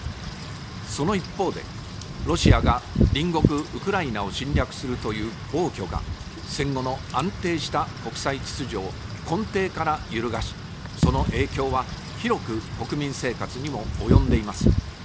その一方で、ロシアが隣国ウクライナを侵略するという暴挙が、戦後の安定した国際秩序を根底から揺るがし、その影響は広く国民生活にも及んでいます。